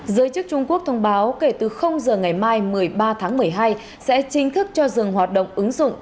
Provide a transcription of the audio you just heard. giới chức trung quốc thông báo kể từ giờ ngày mai một mươi ba tháng một mươi hai sẽ chính thức cho dừng hoạt động ứng dụng